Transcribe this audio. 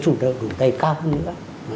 sủng trợ của người ta cao hơn nữa